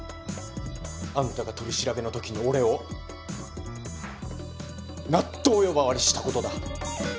あんたが取り調べのときに俺を納豆呼ばわりしたことだ。